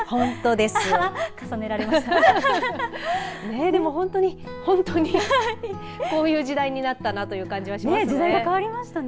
でも、本当に本当にこういう時代になったなという感じがしますよね。